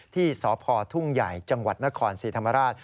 ที่สพทุ่งใหญ่จังหวัดนครศรีธรรมราช